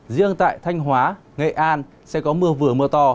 riêng tại thanh hóa nghệ an sẽ có mưa vừa mưa to